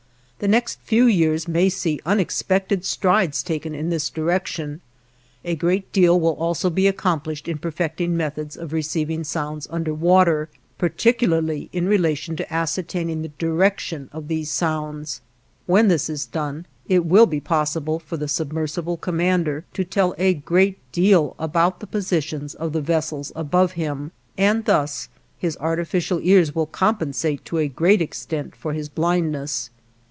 The next few years may see unexpected strides taken in this direction. A great deal will also be accomplished in perfecting methods of receiving sounds under water, particularly in relation to ascertaining the direction of these sounds. When this is done, it will be possible for the submersible commander to tell a great deal about the positions of the vessels above him, and thus his artificial ears will compensate to a great extent for his blindness.